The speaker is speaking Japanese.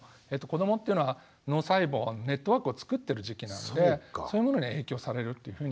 子どもというのは脳細胞ネットワークを作ってる時期なんでそういうものに影響されるというふうに考えられてます。